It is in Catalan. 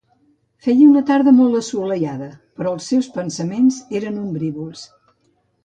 Feia una tarda molt assolellada, però els seus pensaments eren ombrívols.